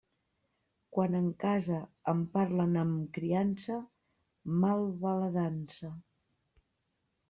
Quan en casa em parlen amb criança, mal va la dansa.